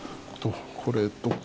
これとか。